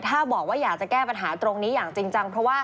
ถ้าบอกว่าอยากจะแก้ปัญหาตรงนี้อย่างจริงจังเพราะว่า